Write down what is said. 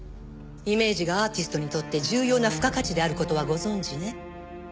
イメージがアーティストにとって重要な付加価値である事はご存じね？